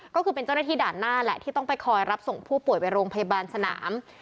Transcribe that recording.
ก็คือเป็นเจ้าหน้าที่ด่านหน้าแหละที่ต้องไปคอยรับส่งผู้ป่วยไปโรงพยาบาลสนาม